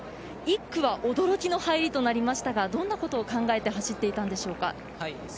１区は驚きの入りとなりましたがどんなことを考えて走っていたんでしょうか。